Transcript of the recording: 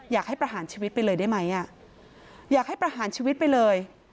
อยากให้ประหารชีวิตไปเลยได้ไหมอยากให้ประหารชีวิตไปเลย